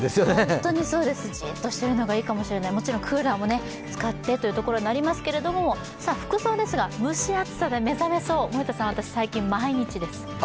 本当にそうです、じっとしてるのがいいかもしれない、もちろんクーラーを使ってということになりますけど、服装ですが、蒸し暑さで目覚めそう森田さん、私、毎日です。